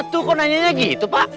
tuh kok nanya gitu pak